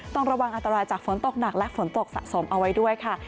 ต้องระวังอันตรายจากฝนตกหนักและฝนตกสะสมเอาไว้ด้วยค่ะ